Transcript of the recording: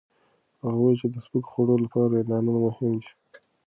هغه وویل چې د سپکو خوړو لپاره اعلانونه مهم دي.